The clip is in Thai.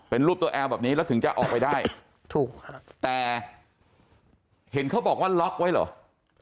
เป็นรูปตัวแอลแบบนี้แล้วถึงจะออกไปได้ถูกค่ะแต่เห็นเขาบอกว่าล็อกไว้เหรอ